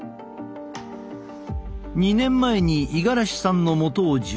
２年前に五十嵐さんのもとを受診。